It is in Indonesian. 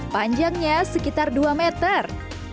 panjangnya sekitar dua meter